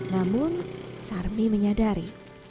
namun sarmi menyadari